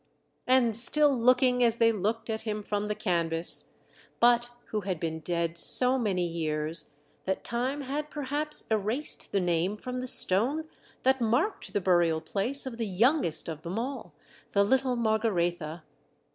and still looking as they looked at him from the canvas, but who had been dead so many years that time had perhaps erased the name from the stone that marked the burial place of the youngest of them all — the little Margaretha